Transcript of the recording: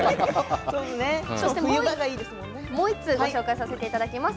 そして、もう一通ご紹介させていただきます。